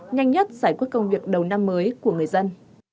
nhanh nhất giải quyết công việc đầu năm mới của người dân